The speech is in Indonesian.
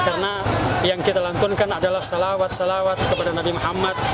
karena yang kita lantunkan adalah salawat salawat kepada nabi muhammad